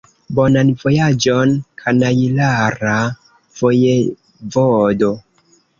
Bonan vojaĝon, kanajlara vojevodo!